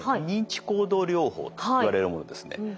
認知行動療法といわれるものですね。